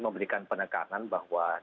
memberikan penekanan bahwa